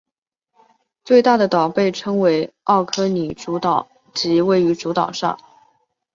最大的岛被称为奥克尼主岛即位于主岛上。